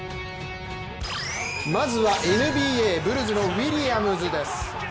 まずはＮＢＡ、ブルズのウィリアムズです。